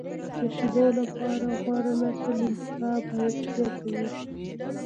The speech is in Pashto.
د شیدو لپاره غوره نسل انتخاب، عاید زیاتوي.